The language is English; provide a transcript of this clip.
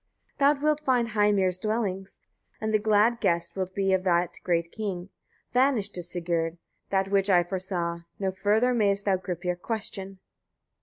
Thou wilt find Heimir's dwellings, and the glad guest wilt be of that great king. Vanished is, Sigurd! that which I foresaw; no further mayest thou Gripir question.